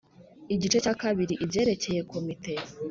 Igice cya kabiri ibyerekeye Komite